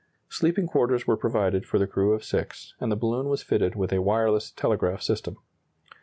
Sleeping quarters were provided for the crew of six, and the balloon was fitted with a wireless telegraph system.